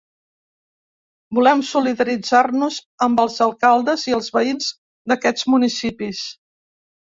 Volem solidaritzar-nos amb els alcaldes i els veïns d’aquests municipis.